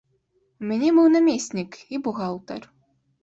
У мяне быў намеснік і бухгалтар.